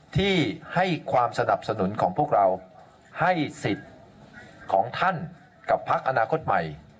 ที่ให้ความสนับสนุนของพวกเราให้สิทธิ์ของท่านกับพักอนาคตใหม่